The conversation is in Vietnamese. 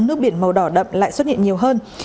nước biển màu đỏ đậm lại xuất hiện nhiều hơn